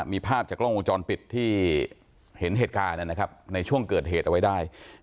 มีภาพจากกล้องวงจรปิดที่เห็นเหตุการณ์นะครับในช่วงเกิดเหตุเอาไว้ได้